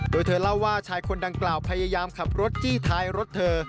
โดยเธอเล่าว่าชายคนดังกล่าวพยายามขับรถจี้ท้ายรถเธอ